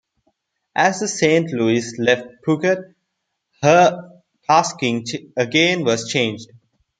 As the Saint Louis left Phuket her tasking again was changed.